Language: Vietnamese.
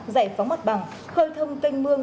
giải phóng mặt bằng khơi thông tênh mương